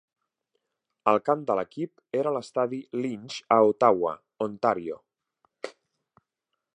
El camp de l'equip era l'estadi Lynx a Ottawa, Ontario.